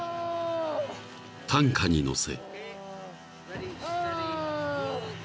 ［担架に乗せ］